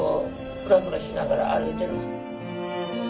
フラフラしながら歩いている。